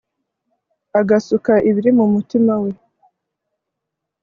agasuka ibiri mu mutima we